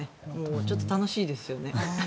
ちょっと楽しいですよね。